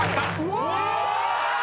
うわ！